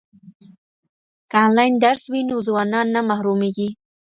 که انلاین درس وي نو ځوانان نه محرومیږي.